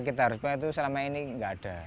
kita harus pakai itu selama ini nggak ada